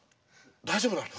大丈夫なの？